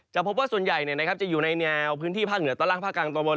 พบว่าส่วนใหญ่จะอยู่ในแนวพื้นที่ภาคเหนือตอนล่างภาคกลางตอนบน